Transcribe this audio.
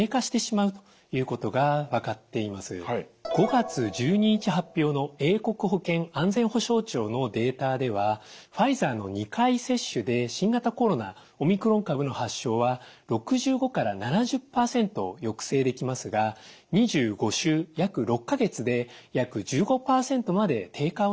５月１２日発表の英国保健安全保障庁のデータではファイザーの２回接種で新型コロナオミクロン株の発症は６５から７０％抑制できますが２５週約６か月で約１５％まで低下をしてしまいます。